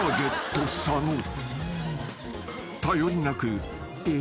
［頼りなく］